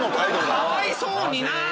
かわいそうになぁ？